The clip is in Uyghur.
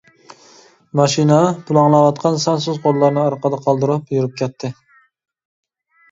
ماشىنا پۇلاڭلاۋاتقان سانسىز قوللارنى ئارقىدا قالدۇرۇپ يۈرۈپ كەتتى.